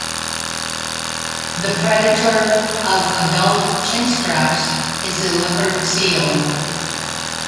The predator of adult chinstraps is the leopard seal.